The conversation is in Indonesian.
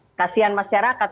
ini kan kasian masyarakat